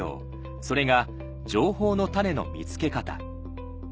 それが「情報のタネの見つけ方」